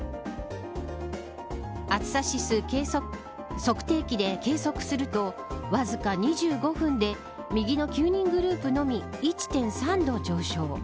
暑さ指数測定器で計測するとわずか２５分で右の９人グループのみ１．３度上昇。